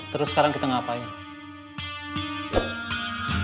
terus sekarang kita ngapain